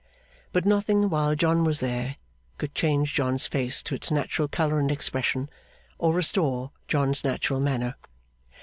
But nothing while John was there could change John's face to its natural colour and expression, or restore John's natural manner.